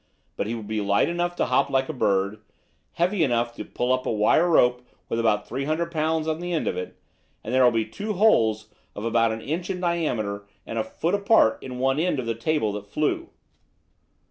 But he will be light enough to hop like a bird, heavy enough to pull up a wire rope with about three hundred pounds on the end of it, and there will be two holes of about an inch in diameter and a foot apart in one end of the table that flew."